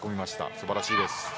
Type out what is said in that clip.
素晴らしいです。